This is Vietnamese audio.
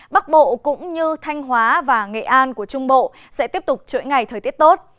bắc bộ cũng như thanh hóa và nghệ an của trung bộ sẽ tiếp tục chuỗi ngày thời tiết tốt